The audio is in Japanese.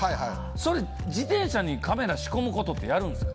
それ自転車にカメラ仕込むことってやるんですか？